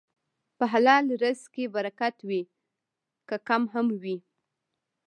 په حلال رزق کې برکت وي، که کم هم وي.